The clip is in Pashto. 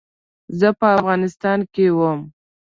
زه په افغانستان کې وم.